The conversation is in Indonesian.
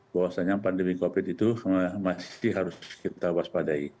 bahwasannya pandemi covid itu masih harus kita waspadai